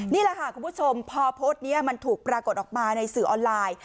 นี่แหละค่ะคุณผู้ชมพอโพสต์นี้มันถูกปรากฏออกมาในสื่อออนไลน์